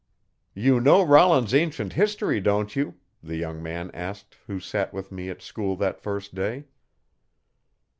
'You know Rollin's Ancient History, don't you?' the young man asked who sat with me at school that first day.